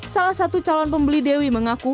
salah satu calon pembeli dewi mengaku